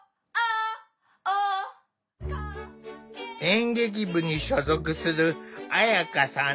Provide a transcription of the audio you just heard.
演劇部に所属する彩夏さん。